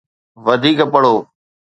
وڌيڪ پڙهو